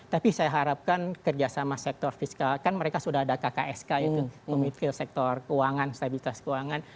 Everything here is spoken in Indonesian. tapi saya harapkan kerjasama sektor fiskal kan mereka sudah ada kksk itu komite sektor keuangan stabilitas keuangan